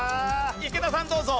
池田さんどうぞ。